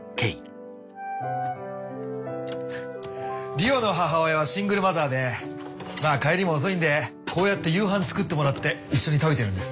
理央の母親はシングルマザーでまあ帰りも遅いんでこうやって夕飯作ってもらって一緒に食べてるんです。